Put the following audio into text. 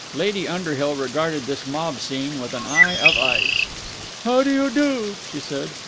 Lady Underhill regarded this mob scene with an eye of ice. "How do you do?" she said.